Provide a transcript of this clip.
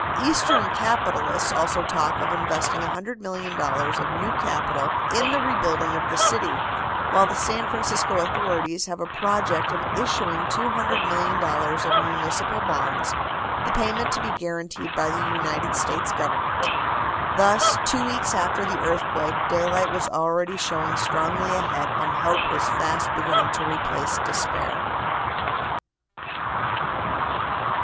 Eastern capitalists also talk of investing $100,000,000 of new capital in the rebuilding of the city, while the San Francisco authorities have a project of issuing $200,000,000 of municipal bonds, the payment to be guaranteed by the United States Government. Thus, two weeks after the earthquake, daylight was already showing strongly ahead and hope was fast beginning to replace despair.